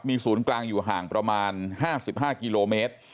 มีศูนย์กลางอยู่ห่างประมาณห้าสิบห้ากิโลเมตร